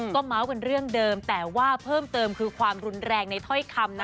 ก็เมาส์กันเรื่องเดิมแต่ว่าเพิ่มเติมคือความรุนแรงในถ้อยคำนะ